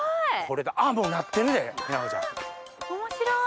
もうなってるで日奈子ちゃん。面白い！